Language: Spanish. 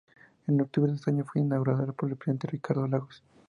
En octubre de ese año fue inaugurada por el presidente Ricardo Lagos.